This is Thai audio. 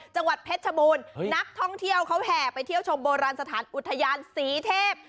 จังหวัดเพชรชบูรณ์นักท่องเที่ยวเขาแห่ไปเที่ยวชมโบราณสถานอุทยานศรีเทพ